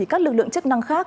các lực lượng chức năng khác